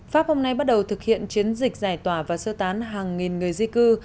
pháp hôm nay bắt đầu thực hiện chiến dịch giải tỏa và sơ tán hàng nghìn người di cư